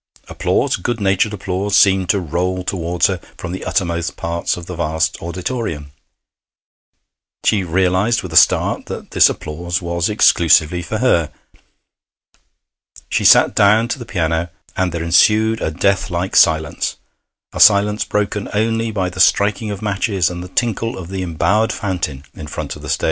Applause good natured applause seemed to roll towards her from the uttermost parts of the vast auditorium. She realized with a start that this applause was exclusively for her. She sat down to the piano, and there ensued a death like silence a silence broken only by the striking of matches and the tinkle of the embowered fountain in front of the stage.